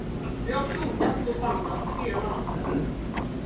Det har plogats och sandats hela natten.